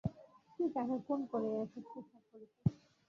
তুই কাকে খুন করে এসব পোশাক পেয়েছিস?